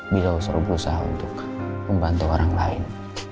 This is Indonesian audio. bila usaha usaha untuk membantu orang lain